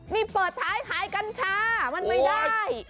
นี่เปิดท้ายขายกัญชามันไม่ได้